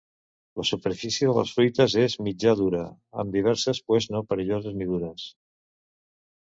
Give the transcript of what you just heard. La superfície de les fruites és mitjà dura, amb diverses pues no perilloses ni dures.